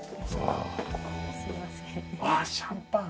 ああシャンパン。